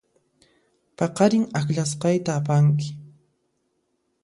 Paqarin akllasqayta apanki.